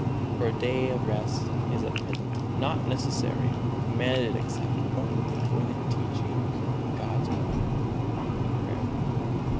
For a day of rest is at present not necessary nor commanded except only for the teaching of God's Word and prayer.